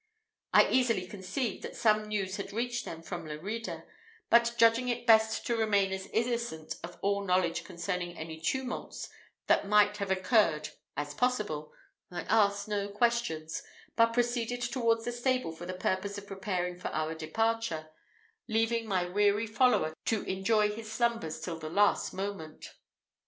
I easily conceived that some news had reached them from Lerida; but judging it best to remain as innocent of all knowledge concerning any tumults that might have occurred as possible, I asked no questions, but proceeded towards the stable for the purpose of preparing for our departure, leaving my weary follower to enjoy his slumbers till the last moment.